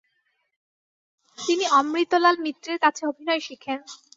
তিনি অমৃতলাল মিত্রের কাছে অভিনয় শিখেন।